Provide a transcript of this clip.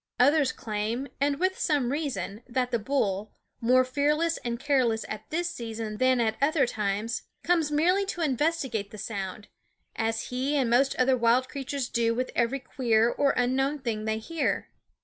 Others claim, and with some reason, that the bull, more fearless and careless at this season than at other times, comes merely to investigate the sound, as he and most other wild creatures do with every queer or unknown thing they hear.